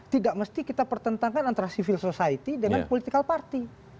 tidak mesti kita pertentangkan antara civil society dengan political party